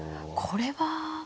これは。